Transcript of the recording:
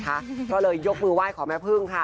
เพราะเลยโยกมือไหว้ของแม่พึ่งค่ะ